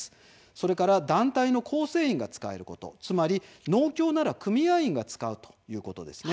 そして団体の構成員が使えることつまり農協なら組合員が使うということです。